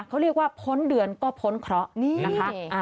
เขาเรียกว่าพ้นเดือนก็พ้นเคราะห์นี่นะคะ